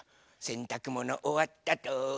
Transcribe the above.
せんたくものおわったと。